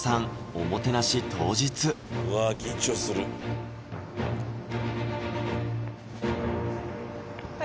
おもてなし当日うわ緊張するうわ